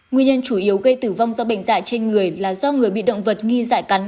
nguyên nhân chủ yếu gây tử vong do bệnh dạy trên người là do người bị động vật nghi giải cắn